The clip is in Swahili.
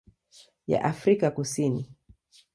ya Afrika Kusini.